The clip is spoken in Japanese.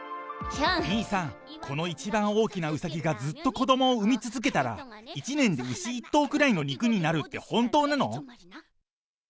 兄さん、この一番大きなうさぎがずっと子どもを生み続けたら、１年で牛１頭ぐらいの肉になるって本当なの？